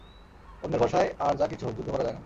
অন্যের ভরসায় আর যা কিছু হোক যুদ্ধ করা যায় না।